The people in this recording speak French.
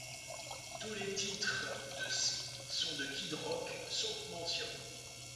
Tous les titres sont de Kid Rock, sauf mentions.